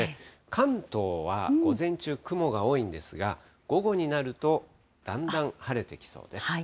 関東は午前中、雲が多いんですが、午後になると、だんだん晴れてきそうです。